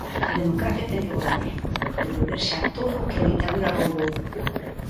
A democracia ten que volver devolver xa todo o que a Ditadura roubou.